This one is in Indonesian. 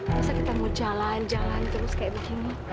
bisa kita mau jalan jalan terus kayak begini